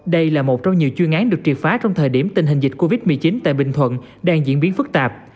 đây là một trong nhiều chuyên án được triệt phá trong thời điểm tình hình dịch covid một mươi chín tại bình thuận đang diễn biến phức tạp